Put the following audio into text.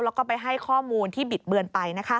แล้วก็ไปให้ข้อมูลที่บิดเบือนไป